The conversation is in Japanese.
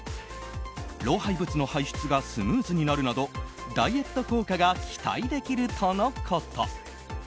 老廃物の排出がスムーズになるなどダイエット効果が期待できるとのこと。